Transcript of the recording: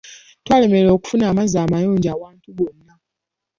Twalemererwa okufuna amazzi amayonjo awantu wonna.